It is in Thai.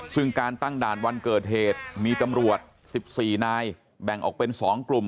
ซึ่งการตั้งด่านวันเกิดเหตุมีตำรวจ๑๔นายแบ่งออกเป็น๒กลุ่ม